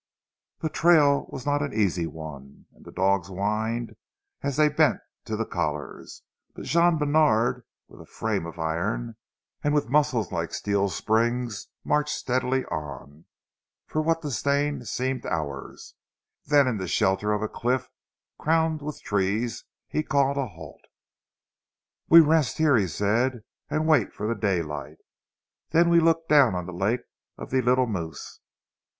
The trail was not an easy one, and the dogs whined as they bent to the collars, but Jean Bènard, with a frame of iron and with muscles like steel springs marched steadily on, for what to Stane seemed hours, then in the shelter of a cliff crowned with trees he called a halt. "We rest here," he said, "an' wait for zee daylight. Den we look down on zee lak' of zee Leetle Moose.